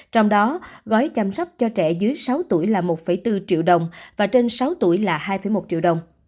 trong đó gói chăm sóc cho trẻ dưới sáu tuổi là một bốn triệu đồng và trên sáu tuổi là hai một triệu đồng